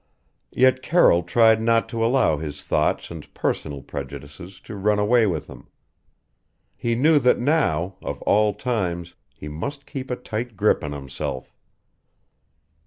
Yet Carroll tried not to allow his thoughts and personal prejudices to run away with him. He knew that now, of all times, he must keep a tight grip on himself.